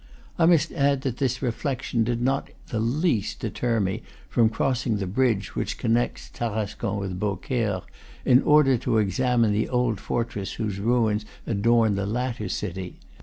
I must add that this reflection did not the least deter me from crossing the bridge which connects Tarascon with Beaucaire, in order to examine the old fortress whose ruins adorn the latter city.